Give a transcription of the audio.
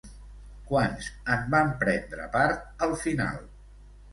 Quants en van prendre part al final?